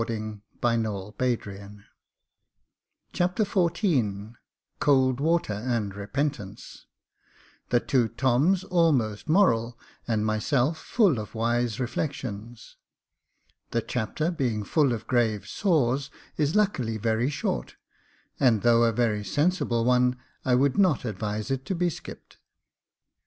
Jacob Faithful 121 Chapter XIV Cold water and repentance — ^The two Toms almost moral, and myself full of wise reflections — The chapter, being full of grave saws, is luckily very short ; and though a very lentibU one, I would not advise it to be skipped.